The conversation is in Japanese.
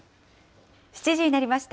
７時になりました。